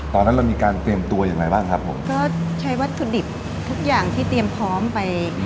ตอนนั้นเรามีการเตรียมตัวยังไงบ้างครับผมก็ใช้วัตถุดิบทุกอย่างที่เตรียมพร้อมไป